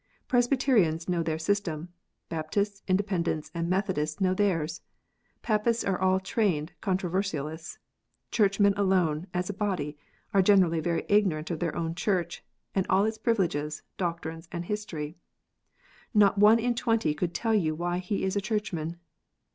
Presbyterians know their system. Baptists, Independents, and Methodists know theirs. Papists are all trained controversialists. Church men alone, as a body, are generally very ignorant of their own Church, and all its privileges, doctrines, and history. Not one in twenty could tell you why he is a Churchman.